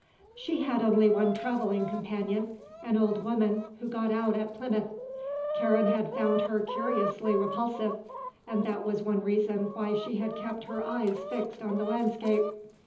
She had only one travelling companion, an old woman who got out at Plymouth. Karen had found her curiously repulsive and that was one reason why she had kept her eyes fixed on the landscape.